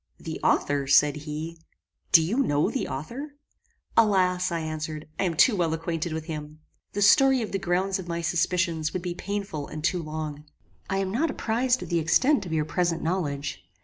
"The author!" said he; "Do you know the author?" "Alas!" I answered, "I am too well acquainted with him. The story of the grounds of my suspicions would be painful and too long. I am not apprized of the extent of your present knowledge.